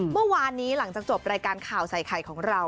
เมื่อวานนี้หลังจากจบรายการข่าวใส่ไข่ของเรา